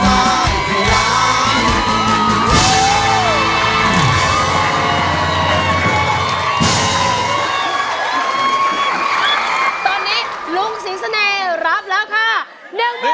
ตอนนี้ลุงสิงเสน่ห์รับแล้วค่ะ